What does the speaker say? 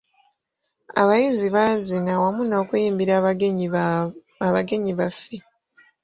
Abayizi baazina wamu n'okuyimbira abagenyi baffe.